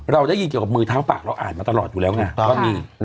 เราได้ยินเกี่ยวกับมือเท้าปากเราอ่านมาตลอดอยู่แล้วไงว่ามี